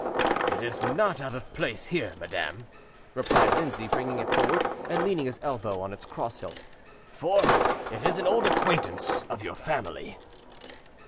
"It is not out of place here, madam," replied Lindsay, bringing it forward and leaning his elbow on its cross hilt, "for it is an old acquaintance of your family."